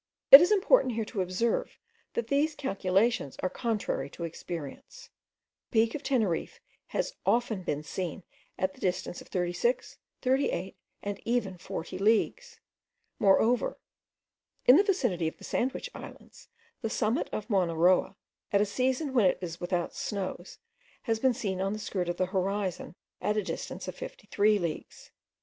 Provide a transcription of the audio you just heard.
It is important here to observe, that these calculations are contrary to experience. The peak of Teneriffe has been often seen at the distance of 36, 38, and even at 40 leagues. Moreover, in the vicinity of the Sandwich Islands, the summit of Mowna Roa, at a season when it was without snows, has been seen on the skirt of the horizon, at the distance of 53 leagues.